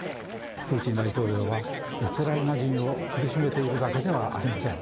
プーチン大統領はウクライナ人を苦しめているだけではありません。